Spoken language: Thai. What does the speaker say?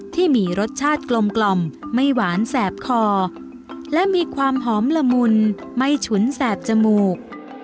ที่มีรสชาติกลมไม่หวานแสบคอและมีความหอมละมุนไม่ฉุนแสบจมูก